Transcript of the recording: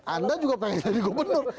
anda juga pengen jadi gubernur